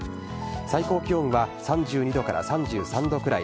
最高気温は３２度から３３度くらい。